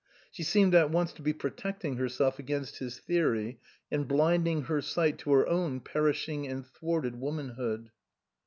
She seemed at once to be protecting herself against his theory and blinding her sight to her own perishing and thwarted womanhood.